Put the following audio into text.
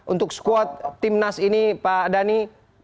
untuk squad tim nas ini pak dhani